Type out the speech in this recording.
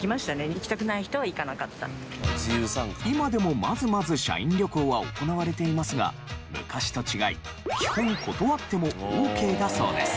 今でもまずまず社員旅行は行われていますが昔と違い基本断ってもオーケーだそうです。